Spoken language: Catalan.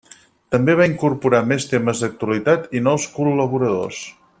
També va incorporar més temes d’actualitat i nous col·laboradors.